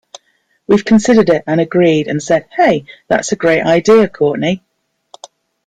We've considered it and agreed and said, 'Hey, that's a great idea, Courtney.